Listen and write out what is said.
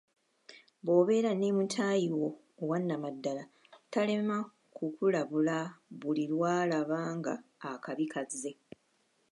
Bw’obeera ne mutaayi wo owannamaddala talema kukulabula buli lwalaba nga akabi kazze.